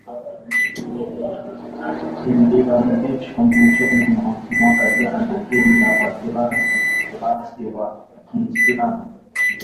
Iiliyoanzishwa mwishoni mwa mwaka jana dhidi ya waasi wa kiislam mashariki mwa Kongo msemaji wa operesheni hiyo alisema